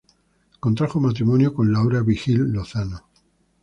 Contrajo matrimonio con Laura Vigil Lozano.